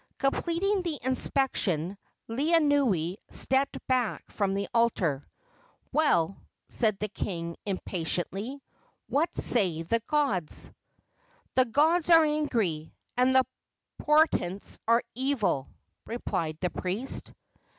Completing the inspection, Laeanui stepped back from the altar. "Well," said the king, impatiently, "what say the gods?" "The gods are angry, and the portents are evil," replied the priest.